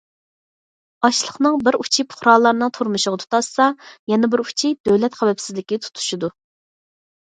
ئاشلىقنىڭ بىر ئۇچى پۇقرالارنىڭ تۇرمۇشىغا تۇتاشسا، يەنە بىر ئۇچى دۆلەت خەۋپسىزلىكىگە تۇتىشىدۇ.